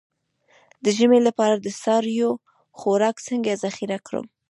د ژمي لپاره د څارویو خوراک څنګه ذخیره کړم؟